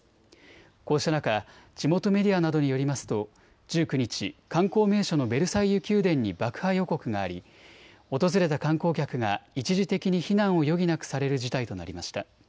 こうした中、地元メディアなどによりますと１９日、観光名所のベルサイユ宮殿に爆破予告があり訪れた観光客が一時的に避難を余儀なくされる事態となりました。